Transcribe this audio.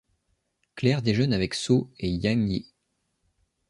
Claire déjeune avec So et Yang-hye.